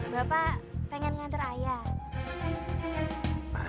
bapak pengen ngantriin ayah